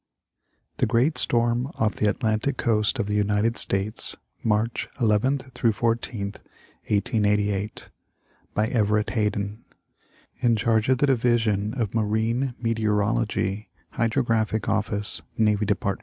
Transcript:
THE GREAT STORM OFF THE ATLANTIC COAST OF THE UNITED STATES, MARCH 11th 14th, 1888. By Everett Hayden, In charge of the division of Marine Meteorology, Hydrographic Oifice, Navy Dept.